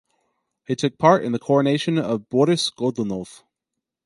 He took part in the coronation of Boris Godunov.